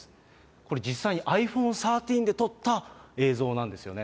これ、実際にｉＰｈｏｎｅ１３で撮った映像なんですよね。